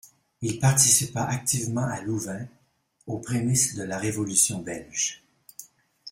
Il participa activement à Louvain aux prémices de la révolution belge.